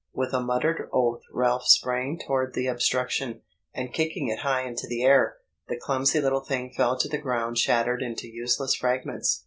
With a muttered oath Ralph sprang toward the obstruction, and kicking it high into the air, the clumsy little thing fell to the ground shattered into useless fragments.